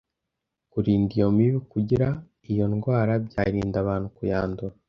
kurinda iyo mibu kugira iyo ndwara byarinda abantu kuyandura.